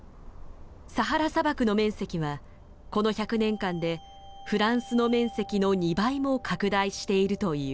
サハラ砂漠の面積はこの１００年間でフランスの面積の２倍も拡大しているという。